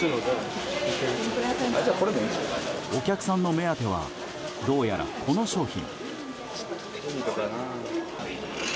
お客さんの目当てはどうやらこの商品。